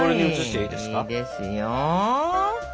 いいですよ。